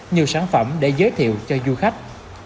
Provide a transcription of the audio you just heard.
nhiều sản phẩm để giới thiệu cho du khách